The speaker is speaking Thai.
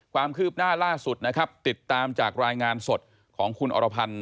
ความคืบหน้าล่าสุดนะครับติดตามจากรายงานสดของคุณอรพันธ์